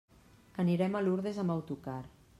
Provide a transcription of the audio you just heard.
Anirem a Lurdes amb autocar.